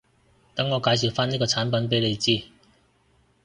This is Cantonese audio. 等我介紹返呢個產品畀你知